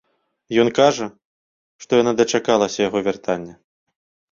Ён кажа, што яна дачакалася яго вяртання.